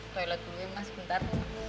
toilet dulu ya mas sebentar